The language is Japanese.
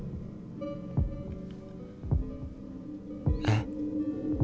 えっ？